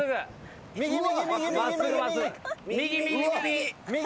右右右右右。